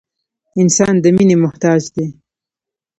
• انسان د مینې محتاج دی.